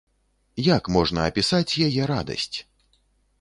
Як можна апісаць яе радасць?